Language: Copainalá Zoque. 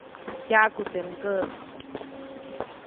Yaʼku teʼ mgäʼ.